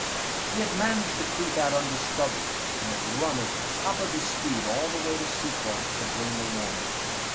He had managed to creep out undiscovered and had run at the top of his speed all the way to Separ to bring the warning.